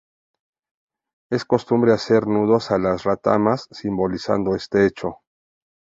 Es costumbre hacer nudos a las retamas simbolizando este hecho.